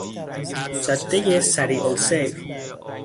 جادهی سریعالسیر